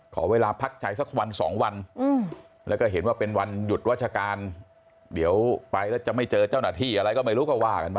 ขอเวลาพักใจสักวันสองวันแล้วก็เห็นว่าเป็นวันหยุดราชการเดี๋ยวไปแล้วจะไม่เจอเจ้าหน้าที่อะไรก็ไม่รู้ก็ว่ากันไป